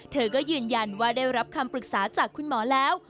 เธอก็ยืนยันว่าได้รับคำปรึกษาจากคุณหมอแล้ว